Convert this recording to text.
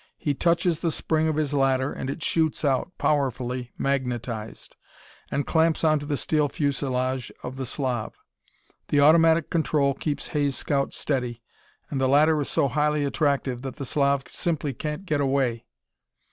He touches the spring of his ladder and it shoots out, powerfully magnetized, and clamps onto the steel fuselage of the Slav. The automatic control keeps Hay's scout steady, and the ladder is so highly attractive that the Slav simply can't get away.